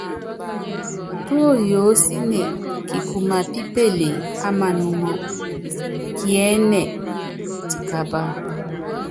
Túóyoósíne, kikuma pípéle á manúŋɔ́, kiɛ́nɛ tikápa.